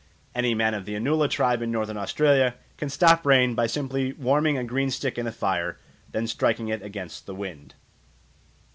Any man of the Anula tribe in Northern Australia can stop rain by simply warming a green stick in the fire, and then striking it against the wind.